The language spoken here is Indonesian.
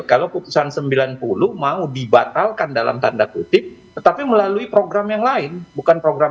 kalau putusan sembilan puluh mau dibatalkan dalam tanda kutip tetapi melalui program yang lain bukan program